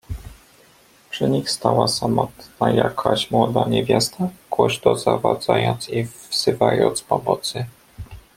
"Przy nich stała samotna jakaś młoda niewiasta, głośno zawodząc i wzywając pomocy."